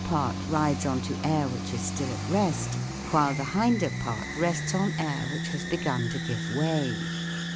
part rides on to air which is still at rest, while the hinder part rests on air which has begun to give way.